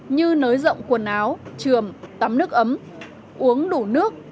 như nới rộng quần áo trường tắm nước ấm uống đủ nước